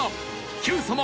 『Ｑさま！！』